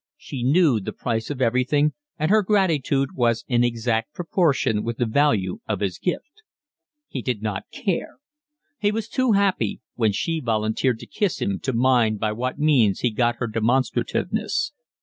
She knew the price of everything, and her gratitude was in exact proportion with the value of his gift. He did not care. He was too happy when she volunteered to kiss him to mind by what means he got her demonstrativeness.